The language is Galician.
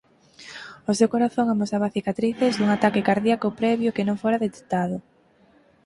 O seu corazón amosaba cicatrices dun ataque cardíaco previo que non fora detectado.